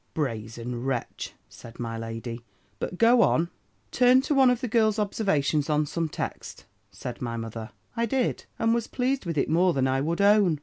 '" "Brazen wretch!" said my lady; "but go on." "'Turn to one of the girl's observations on some text,' said my mother. "I did; and was pleased with it more than I would own.